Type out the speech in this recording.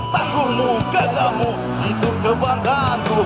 tanggungmu genggamu itu kebanggaanku